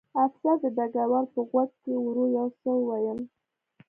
افسر د ډګروال په غوږ کې ورو یو څه وویل